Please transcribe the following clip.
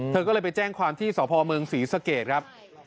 เธอก็เลยไปจ้งความที่สมศรีศเกียร์ครับ